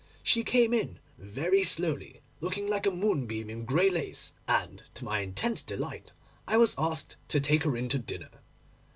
She came in very slowly, looking like a moonbeam in grey lace, and, to my intense delight, I was asked to take her in to dinner.